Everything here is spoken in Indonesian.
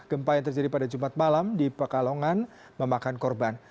gempa yang terjadi pada jumat malam di pekalongan memakan korban